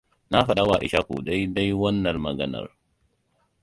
Na faɗa wa Ishaku dai-dai wannan maganar.